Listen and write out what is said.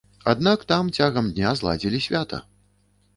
Аднак там цягам дня зладзілі свята.